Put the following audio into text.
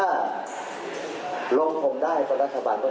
ในหลายส่วนที่ผมประสานไว้